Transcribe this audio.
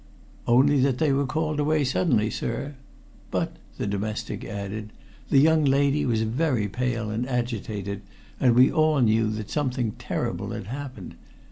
"Only that they were called away suddenly, sir. But," the domestic added, "the young lady was very pale and agitated, and we all knew that something terrible had happened.